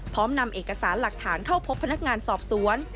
พร้อมนำเอกสารหลักฐานเข้าพบพนักงานสอบสวน